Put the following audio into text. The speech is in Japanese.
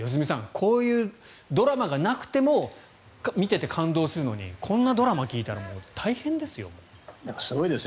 こういうドラマがなくても見ていて感動するのにこんなドラマを聞いたら大変ですよ。